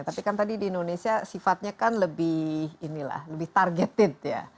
tapi kan tadi di indonesia sifatnya kan lebih targeted